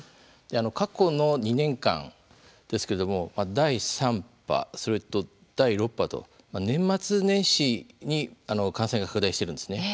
過去の２年間ですけれども第３波、それと第６波と年末年始に感染が拡大しているんですね。